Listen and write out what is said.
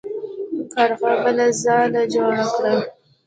کارغه بله ځاله جوړه کړه.